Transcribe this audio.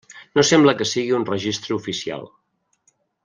No sembla que sigui un registre oficial.